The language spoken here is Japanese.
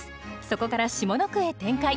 そこから下の句へ展開。